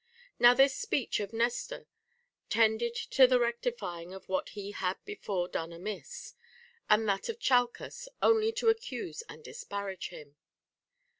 Now this speech of Nestor tended to the rectifying of what he had before done amiss ; but that of Chalcas, only to accuse and disparage him.